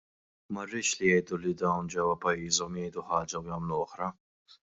Ma rridx li jgħidu li dawn ġewwa pajjiżhom jgħidu ħaġa u jagħmlu oħra!